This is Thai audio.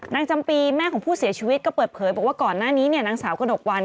จำปีแม่ของผู้เสียชีวิตก็เปิดเผยบอกว่าก่อนหน้านี้นางสาวกระหนกวัน